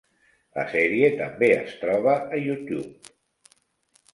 La sèrie també es troba a YouTube.